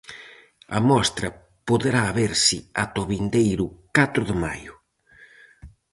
A mostra poderá verse ata o vindeiro catro de maio.